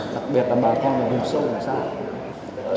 đặc biệt là bà con là hùng sâu hùng xa